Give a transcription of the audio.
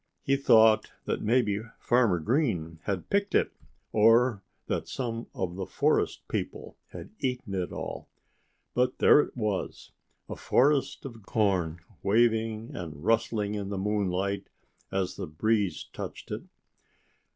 He thought that maybe Farmer Green had picked it, or that some of the forest people had eaten it all. But there it was a forest of corn, waving and rustling in the moonlight as the breeze touched it.